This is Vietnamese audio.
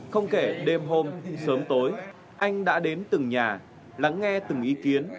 không kể đêm hôm sớm tối anh đã đến từng nhà lắng nghe từng ý kiến